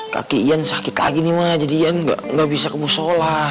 kaki ian sakit lagi nih mbak jadi ian gak bisa kemusolah